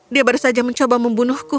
dia baru saja mencoba membunuhku